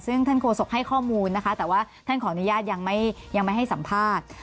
ซึ่งท่านโฆษกให้ข้อมูลนะคะแต่ว่าท่านขออนุญาตยังไม่ให้สัมภาษณ์